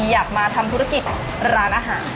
อยากมาทำธุรกิจร้านอาหาร